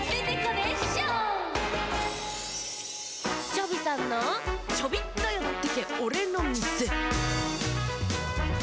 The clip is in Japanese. チョビさんの「チョビっとよってけおれのみせ」。